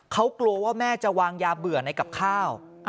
เขากลัวว่าแม่จะวางยาเบื่อในกับข้าว